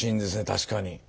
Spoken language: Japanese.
確かに。